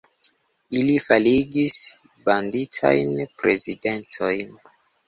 Ili faligis banditajn prezidentojn.